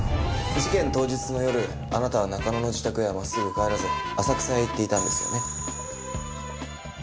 事件当日の夜あなたは中野の自宅へは真っすぐ帰らず浅草へ行っていたんですよね？